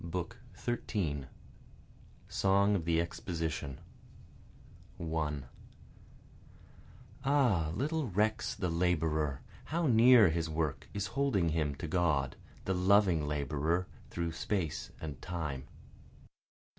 BOOK XIII Song of the Exposition 1 (Ah little recks the laborer, How near his work is holding him to God, The loving Laborer through space and time.)